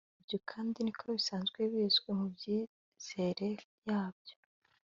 ibyo kandi niko bisanzwe bizwi mu byizerere yabo